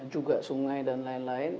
juga sungai dan lain lain